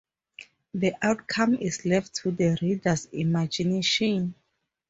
The outcome is left to the reader's imagination.